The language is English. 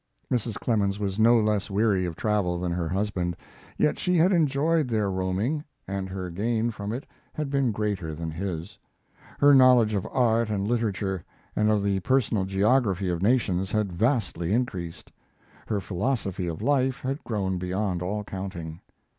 Mrs. Clemens was no less weary of travel than her husband. Yet she had enjoyed their roaming, and her gain from it had been greater than his. Her knowledge of art and literature, and of the personal geography of nations, had vastly increased; her philosophy of life had grown beyond all counting.